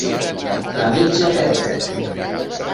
A mitja vela.